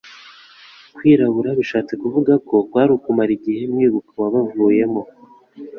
Kwirabura bishatse kuvugako Kwari ukumara igihe mwibuka uwabavuyemo